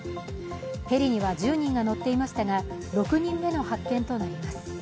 ヘリには１０人が乗っていましたが６人目の発見となります。